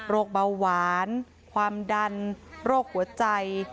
เบาหวานความดันโรคหัวใจ